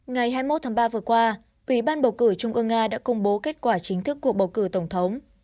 ngày hai mươi một tháng ba vừa qua ủy ban bầu cử trung ương nga đã công bố kết quả chính thức cuộc bầu cử tổng thống